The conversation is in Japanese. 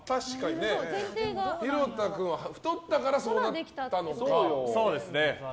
広田君は太ったからそうなったのか。